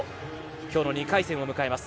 今日の２回戦を迎えます。